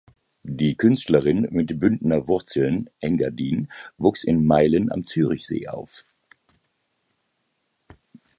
Die Künstlerin mit Bündner Wurzeln (Engadin) wuchs in Meilen am Zürichsee auf.